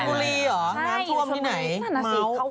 ฝนบุรีเหรอน้ำท่วมที่ไหนเมาส์ใช่อยู่ที่นั่นน่ะสิ